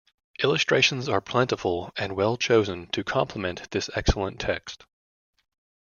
Illustrations are plentiful and are well chosen to complement this excellent text.